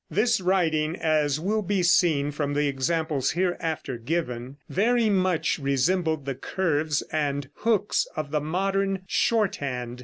This writing, as will be seen from the examples hereafter given, very much resembled the curves and hooks of the modern shorthand.